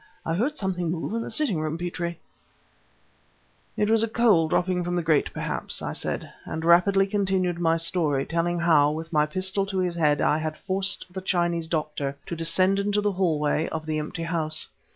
"I heard something move in the sitting room, Petrie!" "It was a coal dropping from the grate, perhaps," I said and rapidly continued my story, telling how, with my pistol to his head, I had forced the Chinese doctor to descend into the hallway of the empty house.